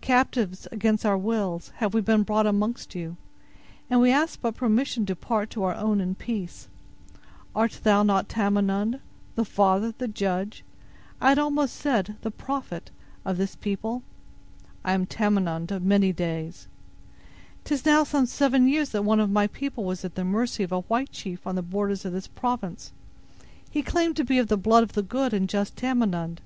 "Captives against our wills, have we been brought amongst you; and we ask but permission to depart to our own in peace. Art thou not Tamenund—the father, the judge, I had almost said, the prophet—of this people?" "I am Tamenund of many days." "'Tis now some seven years that one of thy people was at the mercy of a white chief on the borders of this province. He claimed to be of the blood of the good and just Tamenund.